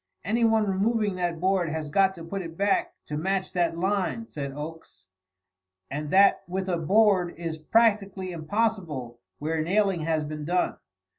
"Anyone removing that board has got to put it back to match that line," said Oakes, "and that with a board is practically impossible where nailing has been done.